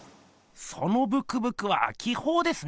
そのブクブクは気ほうですね。